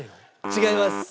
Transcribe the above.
違います。